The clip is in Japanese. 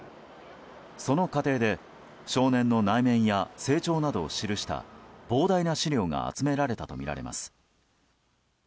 その過程で少年の内面や成長などを記した膨大な資料が集められたとみられます。